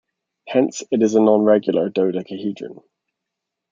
Hence, it is a non-regular dodecahedron.